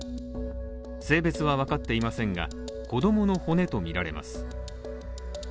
性別は分かっていませんが、子供の骨とみられます。